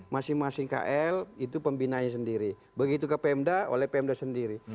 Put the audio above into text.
masing masing kl itu pembinaan sendiri begitu ke pmda oleh pmda sendiri